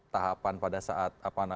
tahapan pada saat apa namanya